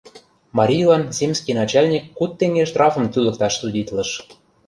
Марийлан земский начальник куд теҥге штрафым тӱлыкташ судитлыш.